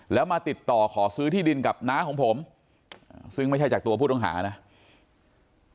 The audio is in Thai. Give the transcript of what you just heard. แล้วมาติดต่อขอซื้อที่ดินกับน้าของผมซึ่งไม่ใช่จากตัวผู้ต้องหานะ